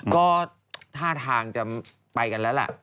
ก็ท่าทางจะไปกันแล้วล่ะ